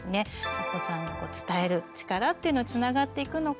お子さんの伝える力っていうのつながっていくのかなぁと。